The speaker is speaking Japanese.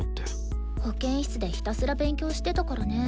保健室でひたすら勉強してたからね。